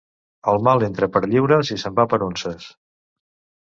El mal entra per lliures i se'n va per unces.